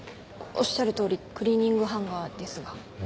おっしゃるとおりクリーニングハンガーですが。